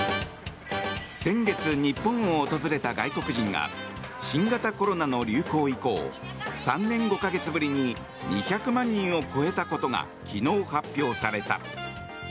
先月、日本を訪れた外国人が新型コロナの流行以降３年５か月ぶりに２００万人を超えたことが昨日発表された。